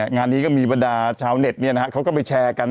งานนี้ก็มีบรรดาชาวเน็ตเขาก็ไปแชร์กัน